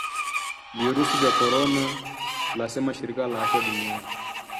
VIRUSI VYA CORONA, LASEMA SHIRIKA LA AFYA DUNIANI